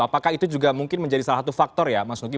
apakah itu juga mungkin menjadi salah satu faktor ya mas nugi